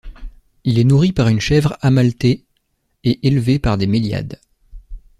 Il est nourri par une chèvre Amalthée et élevé par des Méliades.